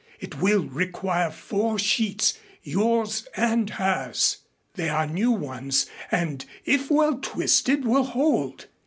It will require four sheets, yours and hers. They are new ones and if well twisted will hold.